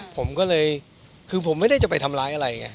ผมก็เลยคือผมไม่ได้จะไปทำร้ายอะไรไง